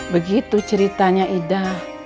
begitu ceritanya ida